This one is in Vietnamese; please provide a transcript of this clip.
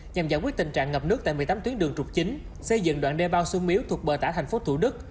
nhằm giải quyết tình trạng ngập nước tại một mươi tám tuyến đường trục chính xây dựng đoạn đê bao xuân miếu thuộc bờ tả thành phố thủ đức